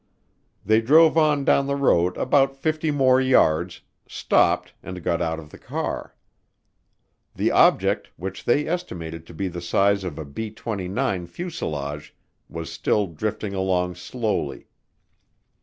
They drove on down the road about 50 more yards, stopped, and got out of the car. The object, which they estimated to be the size of a B 29 fuselage, was still drifting along slowly.